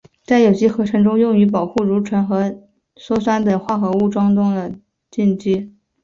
在有机合成中用于保护如醇和羧酸等化合物当中的羟基。